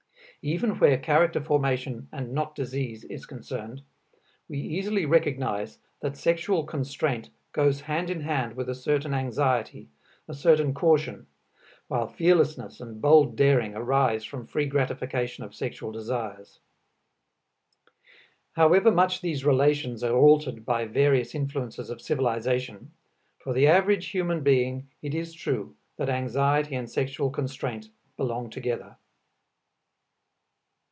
Even where character formation and not disease is concerned, we easily recognize that sexual constraint goes hand in hand with a certain anxiety, a certain caution, while fearlessness and bold daring arise from free gratification of sexual desires. However much these relations are altered by various influences of civilization, for the average human being it is true that anxiety and sexual constraint belong together.